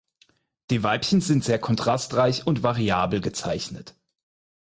Die Weibchen sind sehr kontrastreich und variabel gezeichnet.